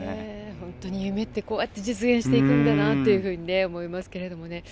本当に夢ってこうやって実現するんだなと思いますけどね。